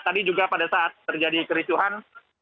tadi juga pada saat terjadi kericuhan